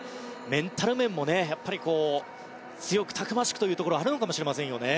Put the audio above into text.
メンタル面も強く、たくましくというところがあるのかもしれませんよね。